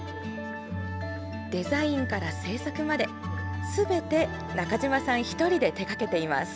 デザインから制作まですべて中島さん１人で手がけています。